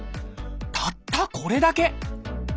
たったこれだけ！